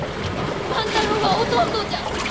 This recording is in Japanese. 万太郎は弟じゃ！